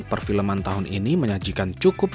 perfilman tahun ini menyajikan cukup